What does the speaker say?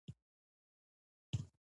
نجلۍ کمیس د سور الوان اغوستی